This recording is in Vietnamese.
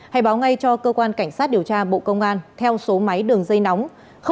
hãy báo ngay cho cơ quan cảnh sát điều tra bộ công an theo số máy đường dây nóng